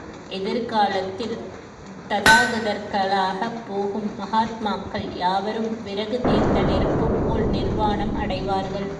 எதிர்காலத்தில் ததாகதர்களாகப் போகும் மகாத்மாக்கள் யாவரும் விறகு தீர்ந்த நெருப்புப்போல் நிர்வாணம் அடைவார்கள்.